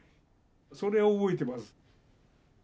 それを覚えてます。